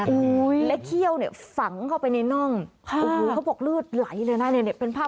๓เก้าแล้วเองบ้างคะนะ